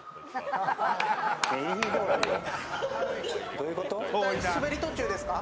どういうこと？